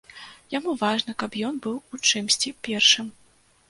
Яму важна, каб ён быў у чымсьці першым.